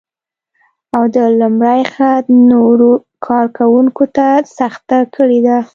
او د لومړي خط نورو کار کونکو ته سخته کړې ده